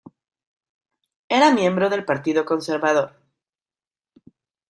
Era miembro del Partido Conservador.